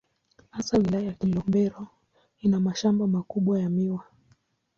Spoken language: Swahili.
Hasa Wilaya ya Kilombero ina mashamba makubwa ya miwa.